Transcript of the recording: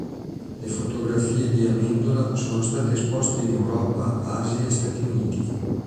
Le fotografie di Amendola sono state esposte in Europa, Asia e Stati Uniti.